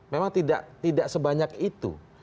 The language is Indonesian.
memang tidak sebanyak itu